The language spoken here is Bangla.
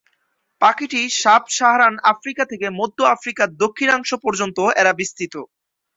পাখিটি সাব-সাহারান আফ্রিকা থেকে মধ্য আফ্রিকার দক্ষিণাংশ পর্যন্ত এরা বিস্তৃত।